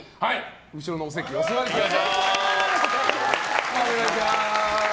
後ろのお席にお座りください。